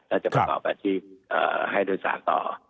ถ้าจะประกอบการที่ให้โดยสารต่อ